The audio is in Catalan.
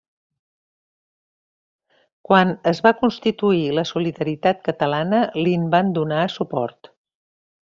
Quan es va constituir la Solidaritat Catalana li'n va donar suport.